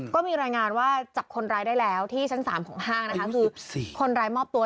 ก็มีรายงานว่าจับคนร้ายได้แล้วที่ชั้น๓ของห้างนะคะคือคนร้ายมอบตัว